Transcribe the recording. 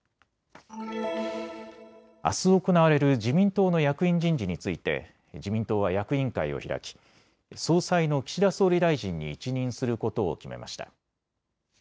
あす行われる自民党の役員人事について自民党は役員会を開き総裁の岸田総理大臣に一任することを決めました。